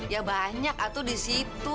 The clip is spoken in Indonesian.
ya banyak atau di situ